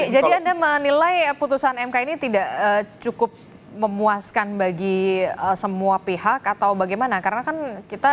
jadi anda menilai putusan mk ini tidak cukup memuaskan bagi semua pihak atau bagaimana karena kan kita